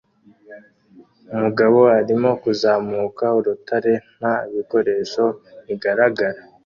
Umugabo arimo kuzamuka urutare nta bikoresho bigaragara